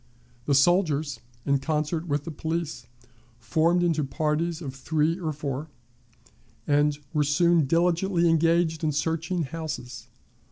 The soldiers, in concert with the police, formed into parties of three or four, and were soon diligently engaged in searching houses.